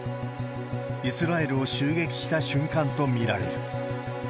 イスラエルを襲撃した瞬間と見られる。